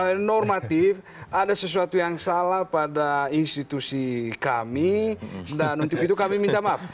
yang normatif ada sesuatu yang salah pada institusi kami dan untuk itu kami minta maaf